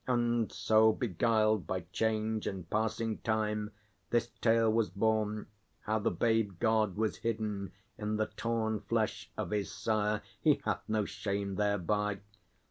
And so, beguiled By change and passing time, this tale was born, How the babe god was hidden in the torn Flesh of his sire. He hath no shame thereby.